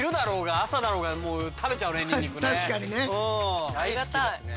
うん大好きですね。